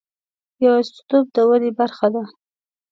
یوازیتوب د ودې برخه ده.